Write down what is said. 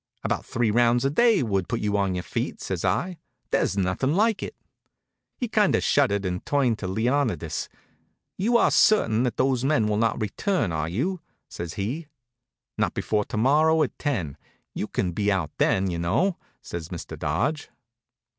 "About three rounds a day would put you on your feet," says I. "There's nothing like it." He kind of shuddered and turned to Leonidas. "You are certain that those men will not return, are you?" says he. "Not before to morrow at ten. You can be out then, you know," says Mr. Dodge.